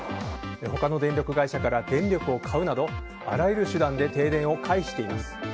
他の電力会社から電力を買うなどあらゆる手段で停電を回避しています。